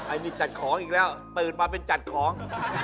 อันนี้จัดของอีกแล้วตื่นมาเป็นจัดของ